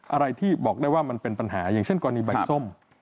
อะไรที่บอกได้ว่ามันเป็นปัญหาอย่างเช่นกรณีใบส้ม